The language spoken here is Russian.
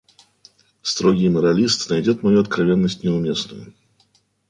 Строгий моралист найдет мою откровенность неуместною.